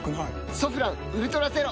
「ソフランウルトラゼロ」